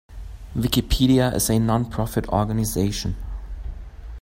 Wikipedia is a non-profit organization.